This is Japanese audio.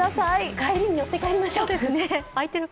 帰りに寄って帰りましょう。